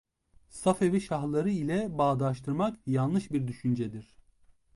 Safevi Şah'ları ile bağdaştırmak yanlış bir düşüncedir.